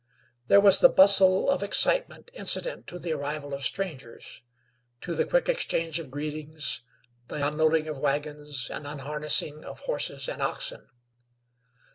There was the bustle of excitement incident to the arrival of strangers; to the quick exchange of greetings, the unloading of wagons and unharnessing of horses and oxen.